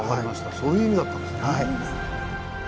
そういう意味だったんですね。